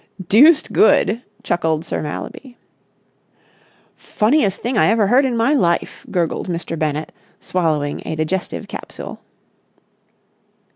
"Deuced good!" chuckled Sir Mallaby. "Funniest thing I ever heard in my life!" gurgled Mr. Bennett, swallowing a digestive capsule.